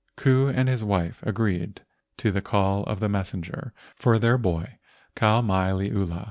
Ku and his wife agreed to the call of the mes¬ senger for their boy Kau mai liula.